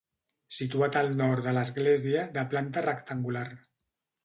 Situat al nord de l'església, de planta rectangular.